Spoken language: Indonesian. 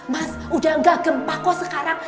mas udah gak gempa kok sekarang